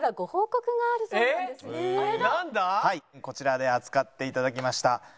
こちらで扱って頂きました